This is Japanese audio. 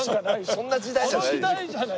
そんな時代じゃないでしょう。